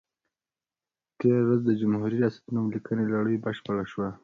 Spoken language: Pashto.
تېره ورځ د جمهوري ریاست نوم لیکنې لړۍ بشپړه شوه.